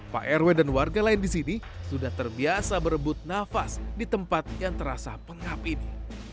pak rw dan warga lain di sini sudah terbiasa berebut nafas di tempat yang terasa pengap ini